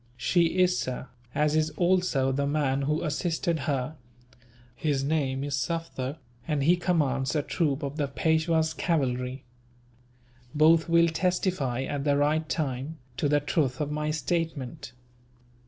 "She is, sir, as is also the man who assisted her. His name is Sufder, and he commands a troop of the Peishwa's cavalry. Both will testify, at the right time, to the truth of my statement."